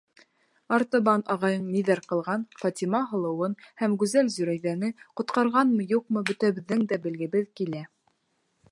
Артабан ағайың ниҙәр ҡылған, Фатима һылыуын һәм гүзәл Зөрәйҙәне ҡотҡарғанмы-юҡмы, бөтәбеҙҙеңдә белгебеҙ килә.